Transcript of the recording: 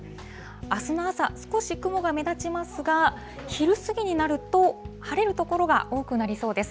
あすの朝、少し雲が目立ちますが、昼過ぎになると、晴れる所が多くなりそうです。